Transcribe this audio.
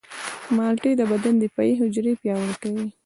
مالټې د بدن دفاعي حجرې پیاوړې کوي.